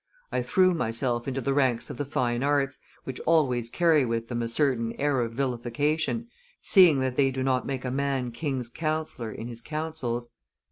I threw myself into the ranks of the fine arts, which always carry with them a certain air of vilification, seeing that they do not make a man king's counsellor in his councils.